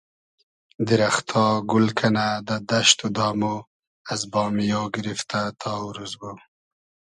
دیرئختا گول کئنۂ دۂ دئشت و دامۉ از بامیۉ گیریفتۂ تا اوروزگۉ